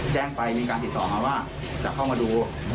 แจ้งไปมีการติดต่อมาว่าจะเข้ามาดู